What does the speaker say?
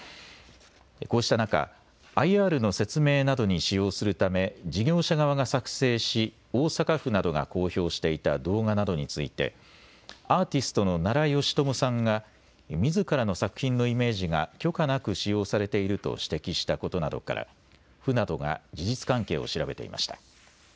こうした中、ＩＲの説明などに使用するため事業者側が作成し大阪府などが公表していた動画などについてアーティストの奈良美智さんがみずからの作品のイメージが許可なく使用されていると指摘したことなどから府などが事実関係を調べていました。